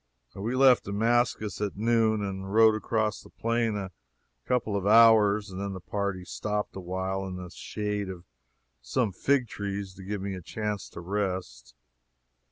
We left Damascus at noon and rode across the plain a couple of hours, and then the party stopped a while in the shade of some fig trees to give me a chance to rest.